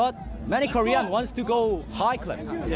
แต่มีคนถามว่าจะไปครับ